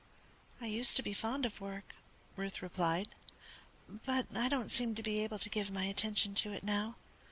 "I used to be fond of work," Ruth replied, "but I don't seem to be able to give my attention to it now.